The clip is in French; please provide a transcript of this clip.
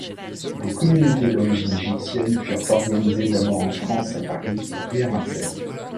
Des communautés d'origine égyptienne furent organisées d'abord en France à Paris et Marseille.